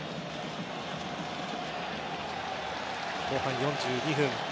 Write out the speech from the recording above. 後半４２分。